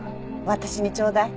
私にちょうだい。